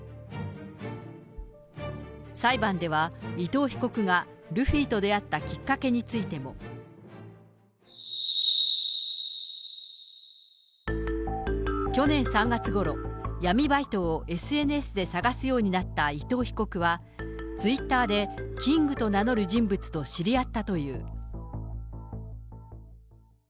裁判では、伊藤被告がルフィと出会ったきっかけについても。去年３月ごろ、闇バイトをＳＮＳで探すようになった伊藤被告は、ツイッターで、キングと名乗る人物と知り合ったという。